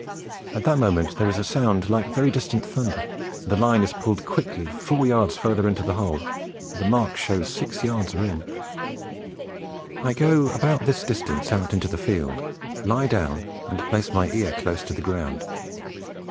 At that moment there is a sound like very distant thunder, and the line is pulled quickly four yards further into the hole, and the marks show six yards are in. I go about this distance out into the field, lie down and place my ear close to the ground.